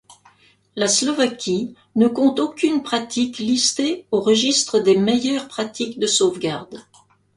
La Slovaquie ne compte aucune pratique listée au registre des meilleures pratiques de sauvegarde.